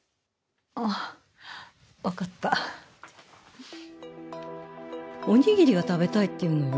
あっわかったおにぎりが食べたいっていうのよ